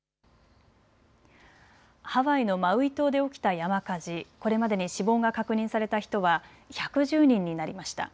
ハワイのマウイ島で起きた山火事、これまでに死亡が確認された人は１１０人になりました。